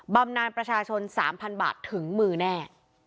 บำนานประชาชน๓๐๐บาทถึงมือแน่